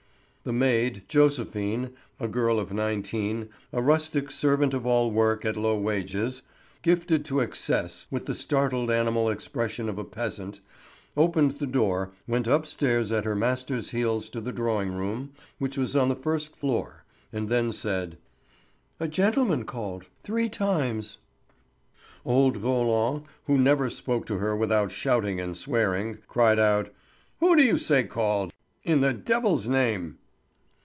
The maid, Joséphine, a girl of nineteen, a rustic servant of all work at low wages, gifted to excess with the startled animal expression of a peasant, opened the door, went up stairs at her master's heels to the drawing room, which was on the first floor, and then said: "A gentleman called—three times." Old Roland, who never spoke to her without shouting and swearing, cried out: "Who do you say called, in the devil's name?"